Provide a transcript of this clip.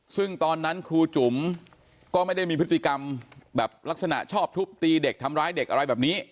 ซึ่งตอนนั้นครูจุ๋มก็ไม่ได้มีพฤติกรรมแบบลักษณะชอบทุบตีเด็กทำร้ายเด็กอะไรแบบนี้